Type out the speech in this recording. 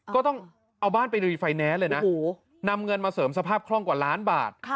ก็ต้องเอาบ้านไปลุยไฟแนนซ์เลยนะนำเงินมาเสริมสภาพคล่องกว่าล้านบาท